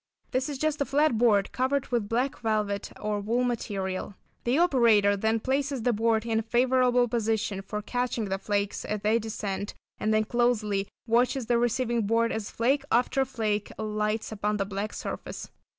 This is just a flat board covered with black velvet or wool material. The operator then places the board in a favourable position for catching the flakes as they descend, and then closely watches the receiving board as flake after flake alights upon the black surface.